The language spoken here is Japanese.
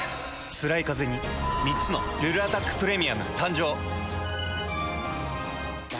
つらいカゼに３つの「ルルアタックプレミアム」誕生。